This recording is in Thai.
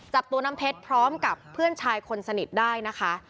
จับตัวน้ำเพชรพร้อมกับเพื่อนชายคนสนิทได้นะคะ